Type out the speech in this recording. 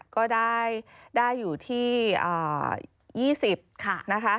ก็ได้อยู่ที่๒๐นะคะ